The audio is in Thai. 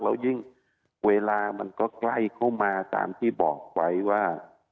แล้วยิ่งเวลามันก็ใกล้เข้ามาตามที่บอกไว้ว่า